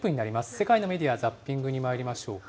世界のメディア・ザッピングにまいりましょうか。